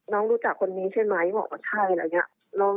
น้องรู้จักคนนี้ใช่ไหมบอกว่าใช่อะไรอย่างเงี้ยแล้ว